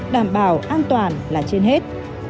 đảm bảo an toàn là trên hết